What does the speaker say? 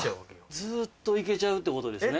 ずっと行けちゃうってことですね。